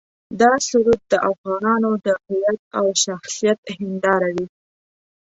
دا سرود د افغانانو د هویت او شخصیت هنداره وي.